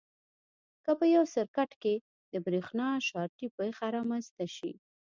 که په یو سرکټ کې د برېښنا شارټي پېښه رامنځته شي.